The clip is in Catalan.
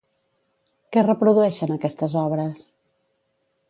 Què reprodueixen aquestes obres?